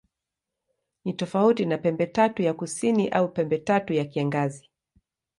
Ni tofauti na Pembetatu ya Kusini au Pembetatu ya Kiangazi.